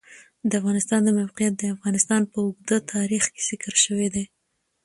د افغانستان د موقعیت د افغانستان په اوږده تاریخ کې ذکر شوی دی.